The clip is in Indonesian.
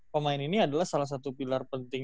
pemain ini adalah salah satu pilar penting